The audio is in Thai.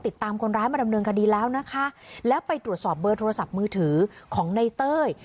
ติดตามคนร้ายมาดำเนินคดีแล้วนะคะแล้วไปตรวจสอบเบอร์โทรศัพท์มือถือของในเต้ย